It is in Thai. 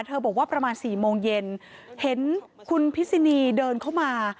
บอกว่าประมาณ๔โมงเย็นเห็นคุณพิษินีเดินเข้ามา